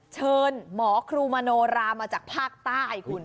เชิญหมอครูมโนรามาจากภาคใต้คุณ